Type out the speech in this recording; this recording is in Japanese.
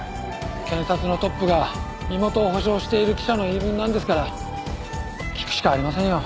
検察のトップが身元を保証している記者の言い分なんですから聞くしかありませんよ。